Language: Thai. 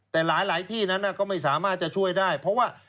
แต่หลายที่นั้นก็ไม่สามารถจะช่วยได้เพราะว่า